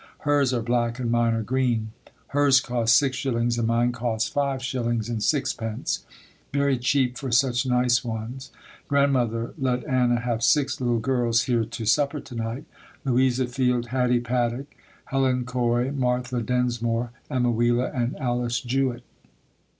Hers are black and mine are green. Hers cost six shillings and mine cost five shillings and six pence; very cheap for such nice ones. Grandmother let Anna have six little girls here to supper to night: Louisa Field, Hattie Paddock, Helen Coy, Martha Densmore, Emma Wheeler and Alice Jewett.